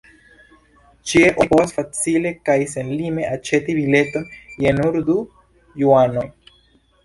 Ĉie oni povas facile kaj senlime aĉeti bileton je nur du juanoj.